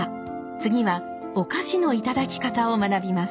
次はお菓子の頂き方を学びます。